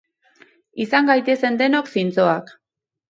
Izan gaitezen denok zintzoak.